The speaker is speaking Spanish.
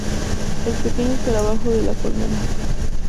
El Pequeño Escarabajo de la Colmena.